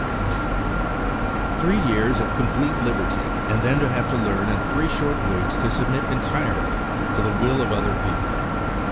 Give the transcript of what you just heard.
THREE years of complete liberty, and then to have to learn in three short weeks to submit entirely to the will of other people!